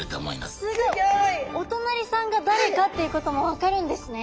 すごい！お隣さんが誰かっていうことも分かるんですね！